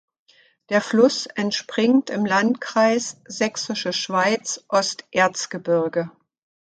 Der Fluss entspringt im Landkreis Sächsische Schweiz-Osterzgebirge.